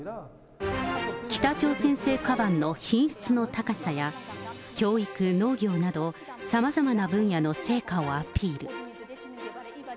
北朝鮮製かばんの品質の高さや、教育、農業など、さまざまな分野の成果をアピール。